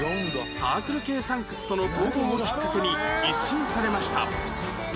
サークル Ｋ ・サンクスとの統合をきっかけに一新されました